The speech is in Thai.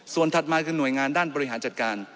ส่วนถัดมาคือหน่วยงานด้านบริหารจัดการ